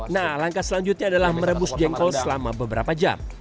nah langkah selanjutnya adalah merebus jengkol selama beberapa jam